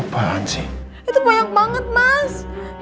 banyak banget mas